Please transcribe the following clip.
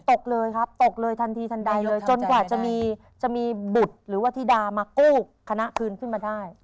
ตกเลยครับตกเลยทันทีทันใดเลยจนกว่าจะมีจะมีบุตรหรือว่าธิดามากู้คณะคืนขึ้นมาได้